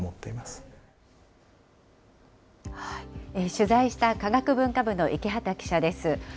取材した科学文化部の池端記者です。